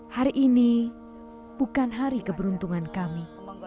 hari ini bukan hari keberuntungan kami